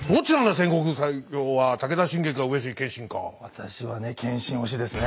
私はね謙信推しですね。